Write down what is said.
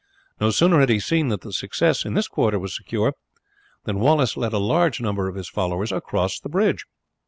No sooner had he seen that the success in this quarter was secure than Wallace led a large number of his followers across the bridge.